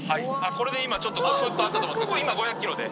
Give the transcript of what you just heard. これで今ちょっとフッとなったと思いますけどこれ今５００キロで。